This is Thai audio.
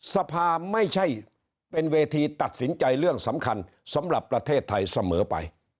สภาไม่ใช่เป็นเวทีตัดสินใจเรื่องสำคัญสำหรับประเทศไทยเสมอไป